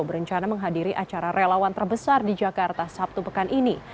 berencana menghadiri acara relawan terbesar di jakarta sabtu pekan ini